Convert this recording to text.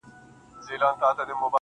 خدایه هغه مه اخلې زما تر جنازې پوري~